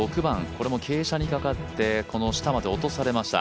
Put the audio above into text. これも傾斜にかかって下まで落とされました。